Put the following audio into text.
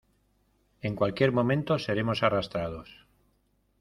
en cualquier momento seremos arrastrados.